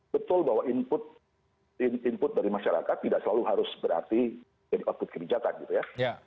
betul bahwa input dari masyarakat tidak selalu harus berarti jadi output kebijakan gitu ya